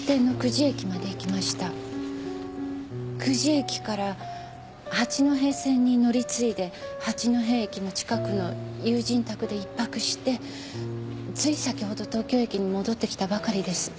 久慈駅から八戸線に乗り継いで八戸駅の近くの友人宅で１泊してつい先ほど東京駅に戻ってきたばかりです。